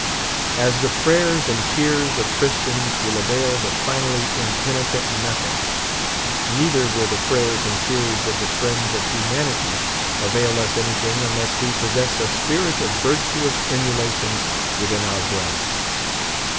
As the prayers and tears of Christians will avail the finally impenitent nothing, neither will the prayers and tears of the friends of humanity avail us anything unless we possess a spirit of virtuous emulation within our breasts.